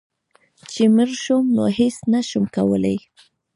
چي مړ شوم نو هيڅ نشم کولی